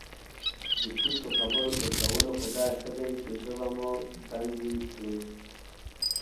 د پوچو خبرو تر کولو خو دا ښه دی چې ژبه مو بندي کړو